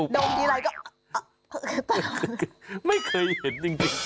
โดมทีไรก็ตาละนะไม่เคยเห็นจริง